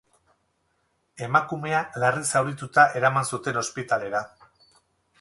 Emakumea larri zaurituta eraman zuten ospitalera.